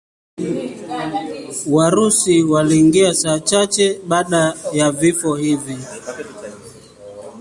Warusi waliingia saa chache baada ya vifo hivi.